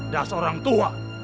dasar orang tua